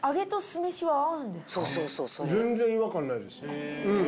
全然違和感ないです。